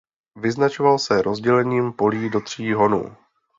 Vyznačoval se rozdělením polí do tří honů.